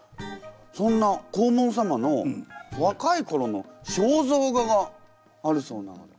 そんな黄門様の若いころの肖像画があるそうなので。